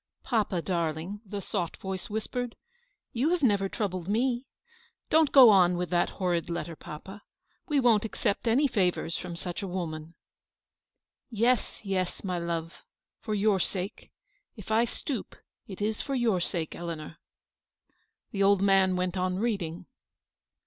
" Papa, darling/' the soft voice whispered, " you have never troubled me. Don't go on with that horrid letter, papa. We won't accept any favours from such a woman." " Yes, yes, my love, for your sake ; if I stoop, it is for your sake, Eleanor." The old man went on reading.